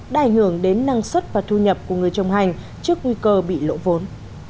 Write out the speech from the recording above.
đài hưởng đến năng suất và thu nhập của người trồng hành trước nguy cơ bị lộ vốn